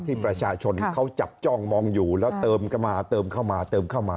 ที่ประชาชนเขาจับจ้องมองอยู่แล้วเติมข้าวมา